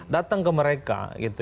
datang ke mereka